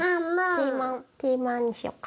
ピーマンピーマンにしようか。